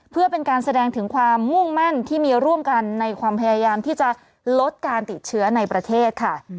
เพื่อเป็นการแสดงถึงความมุ่งมั่นที่มีร่วมกันในความพยายามที่จะลดการติดเชื้อในประเทศค่ะ